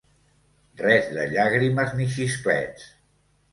Res de llàgrimes ni xisclets.